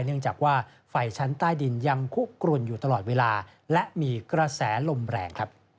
เนื่องจากว่าไฟชั้นใต้ดินยังคุกกลุ่นอยู่ตลอดเวลาและมีกระแสลมแรง